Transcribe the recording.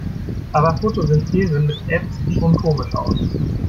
Aber Fotosynthese mit F sieht schon komisch aus.